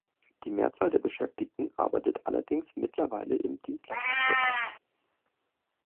Die Mehrzahl der Beschäftigten arbeitet allerdings mittlerweile im Dienstleistungsbereich.